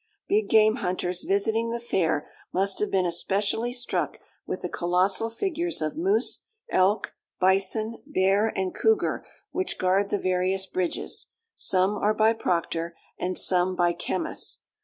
Big game hunters visiting the Fair must have been especially struck with the colossal figures of moose, elk, bison, bear, and cougar which guard the various bridges; some are by Proctor, and some by Kemys.